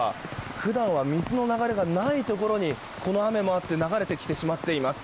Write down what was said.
普段は水の流れがないところにこの雨もあって流れてきてしまっています。